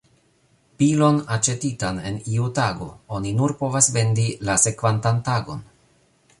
Bilon aĉetitan en iu tago, oni nur povas vendi la sekvantan tagon.